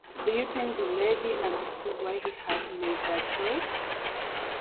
Do you think the lady understood why he had made that choice?